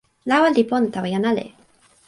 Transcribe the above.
lawa li pona tawa jan ale.